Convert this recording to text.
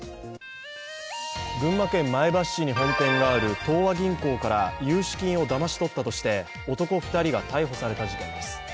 群馬県前橋市に本店がある東和銀行から融資金をだまし取ったとして男２人が逮捕された事件です。